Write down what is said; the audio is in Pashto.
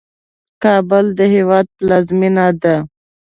کابل د هیواد پلازمینه ده